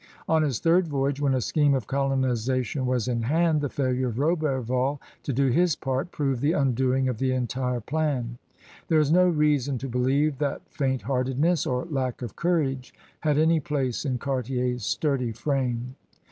On his third voyage, when a scheme of colonization was in hand, the failure of Roberval to do his part proved the undoing of the entire plan. There is no reason to believe that f aint heartedness or lack of courage had any place in Cartier's sturdy frame.